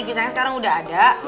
pisangnya sekarang udah ada